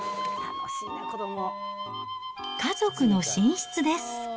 家族の寝室です。